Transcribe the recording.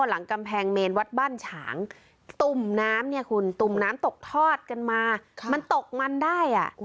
หลังกำแพงเมนวัดบ้านฉางตุ่มน้ำตกทอดกันมามันตกมันได้